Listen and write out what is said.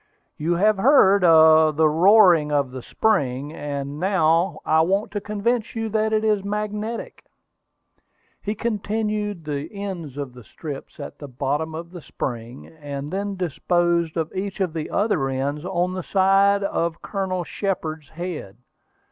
"You have heard the roaring of the spring, and now I want to convince you that it is magnetic." He placed the ends of the strips at the bottom of the spring, and then disposed of each of the other ends on the sides of Colonel Shepard's head.